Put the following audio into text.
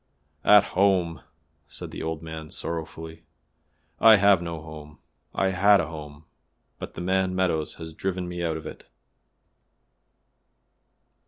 "At home!" said the old man sorrowfully; "I have no home. I had a home, but the man Meadows has driven me out of it."